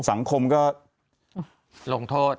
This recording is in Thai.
สังคมก็